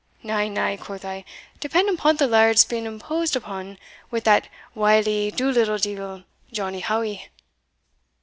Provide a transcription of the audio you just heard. Na, na,' quo' I, depend upon't the lard's been imposed upon wi that wily do little deevil, Johnnie Howie.